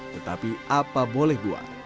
tetapi apa boleh buat